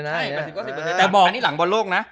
ใช่๘๐๙๐แล้วนี้หลังบอลโลกนะ